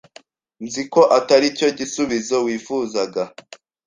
Nzi ko atari cyo gisubizo wifuzaga.